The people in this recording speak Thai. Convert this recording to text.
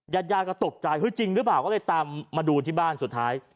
ญาติยาก็ตกใจเฮ้ยจริงหรือเปล่าก็เลยตามมาดูที่บ้านสุดท้าย